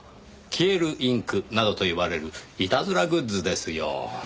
消えるインクなどと呼ばれるいたずらグッズですよ。